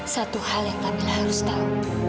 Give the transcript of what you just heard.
satu hal yang kami harus tahu